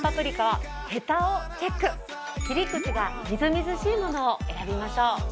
切り口がみずみずしいものを選びましょう。